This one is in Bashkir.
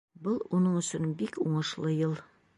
Был уның өсөн бик уңышлы йыл.